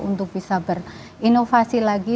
untuk bisa berinovasi lagi